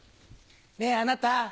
ねぇあなた。